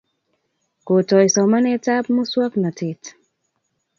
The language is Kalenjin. kotoi somanet tab musongnotet